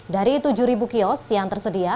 dari tujuh kios yang tersedia